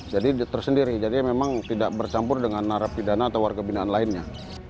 jadi tersendiri jadi memang tidak bercampur dengan narapidana atau warga pindahan lainnya